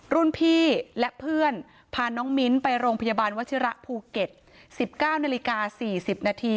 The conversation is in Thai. รุ่นพี่และเพื่อนพาน้องมิ้นไปโรงพยาบาลวชิระภูเก็ต๑๙นาฬิกา๔๐นาที